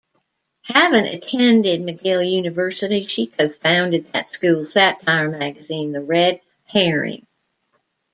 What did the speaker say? Having attended McGill University, she co-founded that school's satire magazine, "The Red Herring".